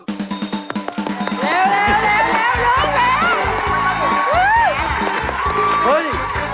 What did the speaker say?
เฮ่ย